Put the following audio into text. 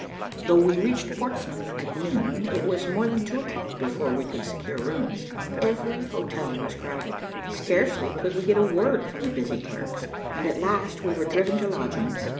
Though we reached Portsmouth at noon, it was more than two o'clock before we could secure rooms. Every hotel was crowded. Scarcely could we get a word from the busy clerks, and at last we were driven to lodgings.